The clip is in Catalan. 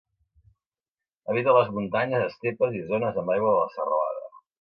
Habita a les muntanyes, estepes i zones amb aigua de la serralada.